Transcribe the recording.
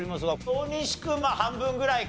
大西君まあ半分ぐらいか。